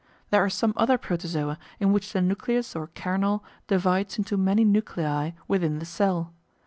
There are some other Protozoa in which the nucleus or kernel divides into many nuclei within the cell.